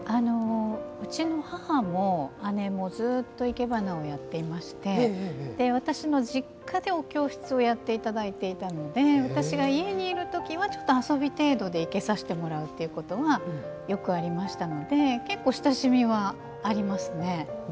うちの母も姉もずっといけばなをやっていまして私も実家で、お教室をやっていただいていたので私が家にいる時はちょっと遊び程度で生けさせてもらうっていうことはよくありましたので結構、親しみはありますね。